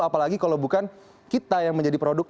apalagi kalau bukan kita yang menjadi produk